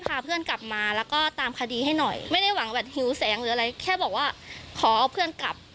แค่บอกว่าขอเอาเพื่อนกลับ